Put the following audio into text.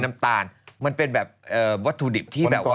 เราไม่เลือกรสช่ายของอาหาร